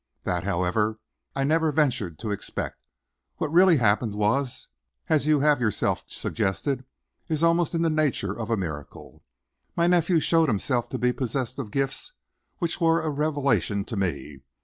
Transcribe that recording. That, however, I never ventured to expect. What really happened was, as you have yourself suggested, almost in the nature of a miracle. My nephew showed himself to be possessed of gifts which were a revelation to me.